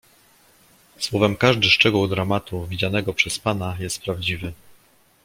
"Słowem, każdy szczegół dramatu, widzianego przez pana, jest prawdziwy."